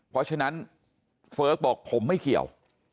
เพราะฉะนั้นเฟิร์กบอกผมไม่เกี่ยว